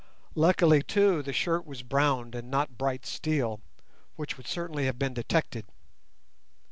Luckily, too, the shirt was browned and not bright steel, which would certainly have been detected.